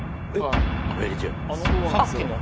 さっきの